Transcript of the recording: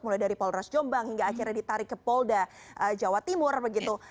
mulai dari polres jombang hingga akhirnya ditarik ke polda jawa timur begitu